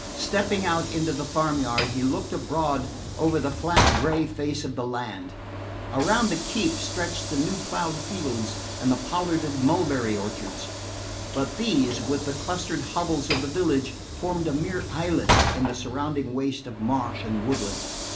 Stepping out into the farm yard he looked abroad over the flat grey face of the land. Around the keep stretched the new ploughed fields and the pollarded mulberry orchards; but these, with the clustered hovels of the village, formed a mere islet in the surrounding waste of marsh and woodland.